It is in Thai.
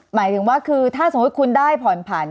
หมายถึงว่าคือถ้าสมมุติคุณได้ผ่อนผัน